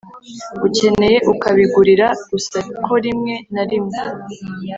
Ukeneye ukabigurira gusa ko rimwe na rimwe